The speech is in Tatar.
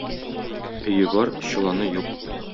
Өе бар, чоланы юк.